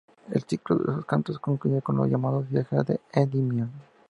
El ciclo de "Los cantos" concluye con los llamados "Viajes de Endymion".